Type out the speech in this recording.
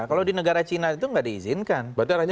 kalau di negara cina itu nggak diizinkan